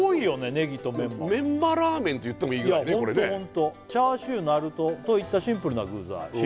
ネギとメンマメンマラーメンといってもいいぐらいいやホントホント「チャーシューなるとといったシンプルな具材」